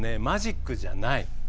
マジックじゃない。